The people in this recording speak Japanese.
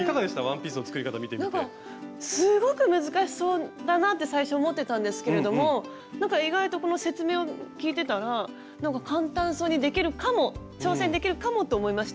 なんかすごく難しそうだなって最初思ってたんですけれどもなんか意外とこの説明を聞いてたら簡単そうにできるかも挑戦できるかもと思いましたはい。